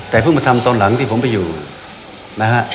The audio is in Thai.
แต่เพิ่งมาทำตอนหลังที่ผมไปอยู่นะฮะ